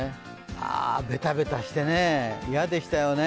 あ、ベタベタしてね嫌でしたよね。